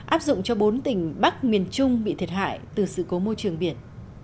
áp dụng cho bốn tỉnh bắc miền trung bị thiệt hại từ sự cố môi trường biển